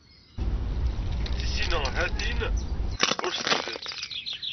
Ttisinɣ hat inn ur d s tidt.